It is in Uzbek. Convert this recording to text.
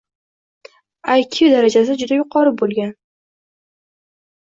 I Q darajasi juda yuqori bo‘lgan